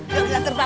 satu dua tiga